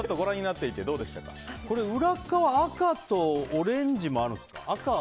裏側が赤とオレンジもあるんですか？